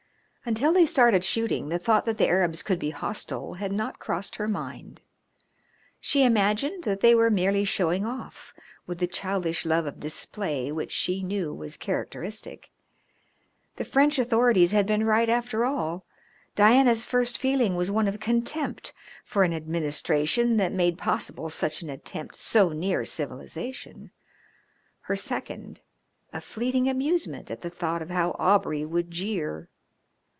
Until they started shooting the thought that the Arabs could be hostile had not crossed her mind. She imagined that they were merely showing off with the childish love of display which she knew was characteristic. The French authorities had been right after all. Diana's first feeling was one of contempt for an administration that made possible such an attempt so near civilisation. Her second a fleeting amusement at the thought of how Aubrey would jeer.